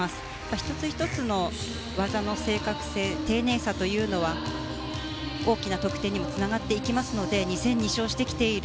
１つ１つの技の正確性丁寧さというのは大きな得点にもつながっていきますので２戦２勝してきている